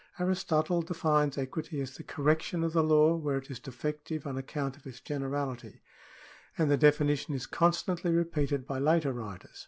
Aristotle defines equity as the correction of the law where it is defective on account of its generality,^ and the definition is constantly repeated by later writers.